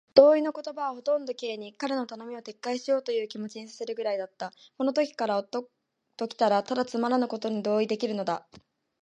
同意の言葉はほとんど Ｋ に、彼の頼みを撤回しようというという気持にさせるくらいだった。この男ときたら、ただつまらぬことにだけ同意できるのだ。